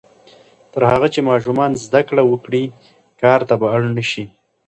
تر هغه چې ماشومان زده کړه وکړي، کار ته به اړ نه شي.